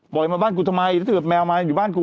มาบ้านกูทำไมถ้าเกิดแมวมาอยู่บ้านกู